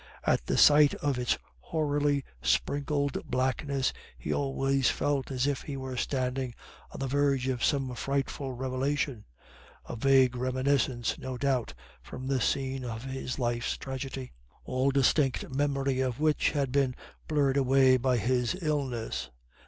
At the sight of its hoarily sprinkled blackness he always felt as if he were standing on the verge of some frightful revelation; a vague reminiscence, no doubt, from the scene of his life's tragedy, all distinct memory of which had been blurred away by his illness.